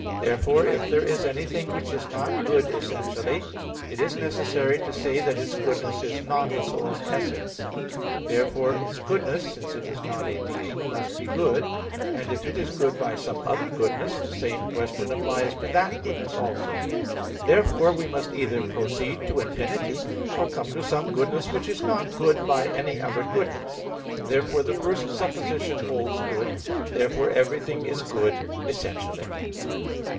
Therefore if there is anything which is not good essentially, it is necessary to say that its goodness is not its own essence. Therefore its goodness, since it is a being, must be good; and if it is good by some other goodness, the same question applies to that goodness also; therefore we must either proceed to infinity, or come to some goodness which is not good by any other goodness. Therefore the first supposition holds good. Therefore everything is good essentially.